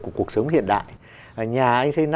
của cuộc sống hiện đại nhà anh xây